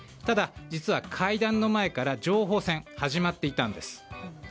ただ、実は会談の前から情報戦は始まっていたんです。